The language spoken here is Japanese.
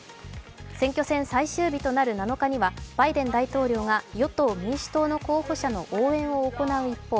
選挙戦最終日となる７日にはバイデン大統領が与党・民主党の候補者の応援を行う一方